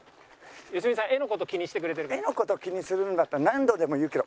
画の事気にするんだったら何度でも言うけど。